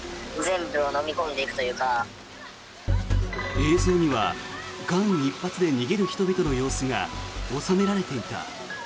映像には間一髪で逃げる人々の様子が収められていた。